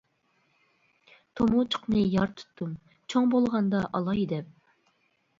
تۇمۇچۇقنى يار تۇتتۇم، چوڭ بولغاندا ئالاي دەپ.